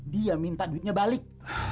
dia minta duitnya balik